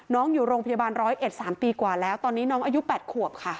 น้องอยู่โรงพยาบาลร้อยเอ็ด๓ปีกว่าแล้วตอนนี้น้องอายุ๘ขวบค่ะ